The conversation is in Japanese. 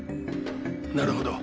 なるほど。